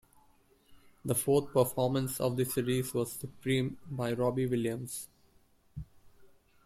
The fourth performance of the series was "Supreme" by Robbie Williams.